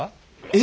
え？